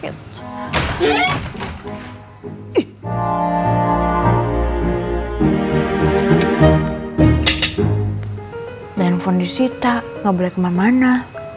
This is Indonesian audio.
tidak ada handphone di sita gak boleh kemana mana